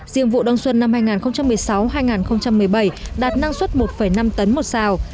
riêng vụ đông xuân năm hai nghìn một mươi sáu hai nghìn một mươi bảy đạt năng suất một năm tấn một xào